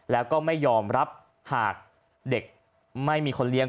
แล้วก็ไม่ยอมรับหากเด็กไม่มีคนเลี้ยง